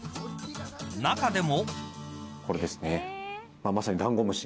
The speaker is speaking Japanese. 中でも。